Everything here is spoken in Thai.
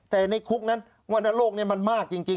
แต่ในคุกนั้นวรรณโรคนี้มันมากจริง